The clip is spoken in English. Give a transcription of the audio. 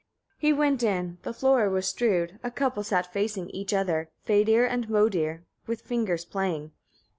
24. He went in; the floor was strewed, a couple sat facing each other, Fadir and Modir, with fingers playing.